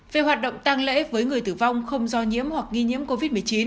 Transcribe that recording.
về hoạt động tăng lễ với người tử vong không do nhiễm hoặc nghi nhiễm covid một mươi chín